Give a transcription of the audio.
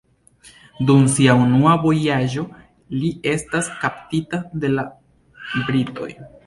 Dum sia unua vojaĝo li estas kaptita de la britoj.